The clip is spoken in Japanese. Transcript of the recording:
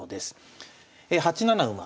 ８七馬。